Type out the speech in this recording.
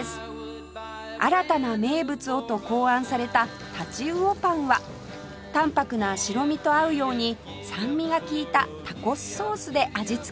新たな名物をと考案されたタチウオパンは淡泊な白身と合うように酸味が利いたタコスソースで味付け